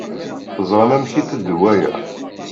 Teẓṛam amek i iteddu waya?